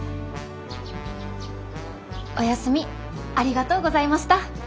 ・お休みありがとうございました。